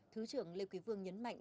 thứ trưởng lê quý vương nhấn mạnh